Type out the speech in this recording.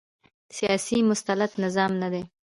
سیاسي مسلط نظام نه دی